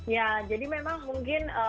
ya jadi memang mungkin